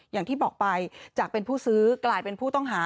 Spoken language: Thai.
อย่างที่บอกไปจากเป็นผู้ซื้อกลายเป็นผู้ต้องหา